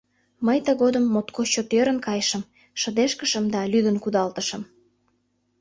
Мый тыгодым моткоч чот ӧрын кайышым, шыдешкышым да лӱдын кудалтышым.